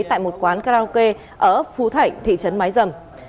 tại một quán karaoke ở phú thảnh thị trấn mái dầm